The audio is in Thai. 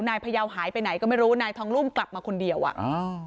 พยาวหายไปไหนก็ไม่รู้นายทองรุ่มกลับมาคนเดียวอ่ะอ่า